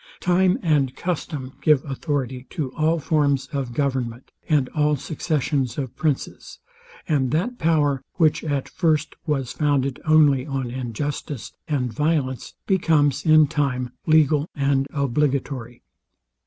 Time and custom give authority to all forms of government, and all successions of princes; and that power, which at first was founded only on injustice and violence, becomes in time legal and obligatory.